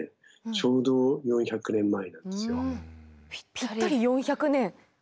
ぴったり４００年。